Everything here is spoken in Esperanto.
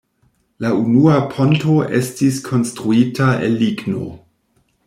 La unua ponto estis konstruita el ligno.